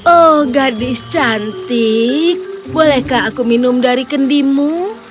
oh gadis cantik bolehkah aku minum dari kendimu